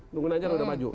nunggu nanya yang udah maju